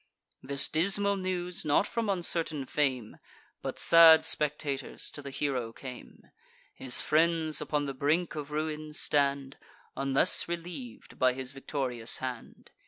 This dismal news, not from uncertain fame, But sad spectators, to the hero came: His friends upon the brink of ruin stand, Unless reliev'd by his victorious hand.